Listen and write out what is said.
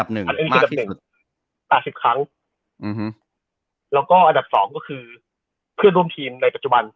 อันดับ๒ก็คือเพื่อนร่วมทีมในปัจจุบัน